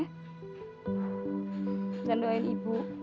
jangan doain ibu